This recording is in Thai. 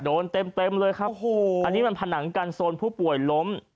โดนเต็มเลยครับอันนี้มันผนังกันโซนผู้ป่วยล้ม